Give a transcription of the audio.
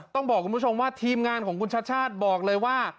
ต้องบอกคุณผู้ชมว่าทีมงานของคุณชาติชาติบอกเลยว่า